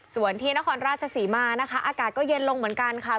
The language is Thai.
ส่วนที่นครราชศรีมานะคะอากาศก็เย็นลงเหมือนกันค่ะ